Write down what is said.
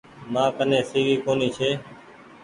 مآ ڪني سي وي ڪونيٚ ڇي۔